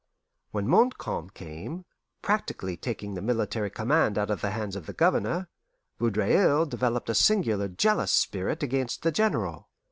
When Montcalm came, practically taking the military command out of the hands of the Governor, Vaudreuil developed a singular jealous spirit against the General.